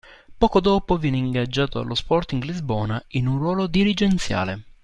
Poco dopo viene ingaggiato dallo Sporting Lisbona in un ruolo dirigenziale.